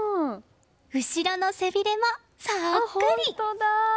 後ろの背びれもそっくり！